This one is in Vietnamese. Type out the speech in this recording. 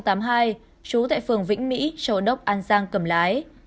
một nghìn chín trăm tám mươi hai trú tại phường vĩnh mỹ châu đốc an giang cầm lái